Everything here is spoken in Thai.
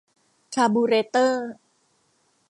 คาร์บูเรเตอร์